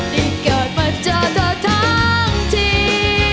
ได้เกิดมาเจอเธอทั้งที